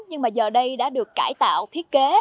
nhưng mà giờ đây đã được cải tạo thiết kế